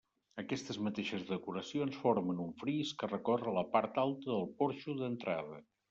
Aquestes mateixes decoracions formen un fris que recorre la part alta del porxo d'entrada.